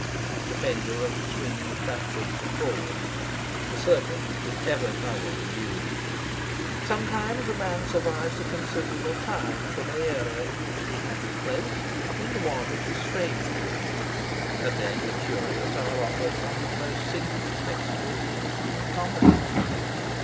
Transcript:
The pendulum swings backwards and forwards. The circle is ever travelled anew. Sometimes a man survives a considerable time from an era in which he had his place into one which is strange to him, and then the curious are offered one of the most singular spectacles in the human comedy.